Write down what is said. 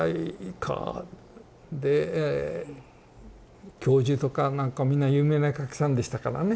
で教授とかなんかみんな有名な絵描きさんでしたからね。